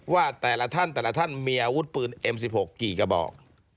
ว่าแต่ละท่านแต่ละท่านมีอาวุธปืนเอ็มสิบหกกี่กระบอก